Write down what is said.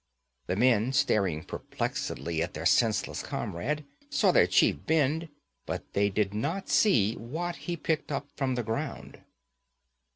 The men, staring perplexedly at their senseless comrade, saw their chief bend, but they did not see what he picked up from the ground.